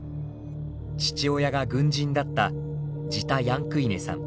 父親が軍人だったジタ・ヤンクイネさん。